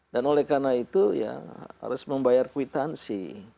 dan oleh karena itu ya harus membayar kwitansi